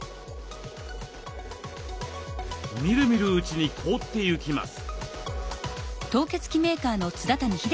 みるみるうちに凍ってゆきます。